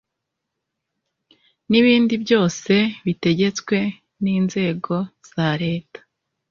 n ibindi byose bitegetswe n inzego za Leta